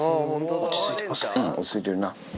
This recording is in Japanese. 落ち着いてるな。